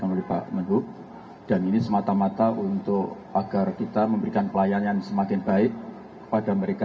oleh pak menhub dan ini semata mata untuk agar kita memberikan pelayanan yang semakin baik kepada mereka